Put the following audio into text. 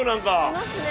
いますね。